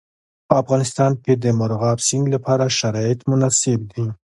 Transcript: په افغانستان کې د مورغاب سیند لپاره شرایط مناسب دي.